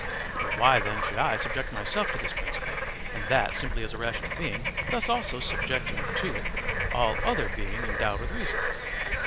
But why then should I subject myself to this principle and that simply as a rational being, thus also subjecting to it all other being endowed with reason?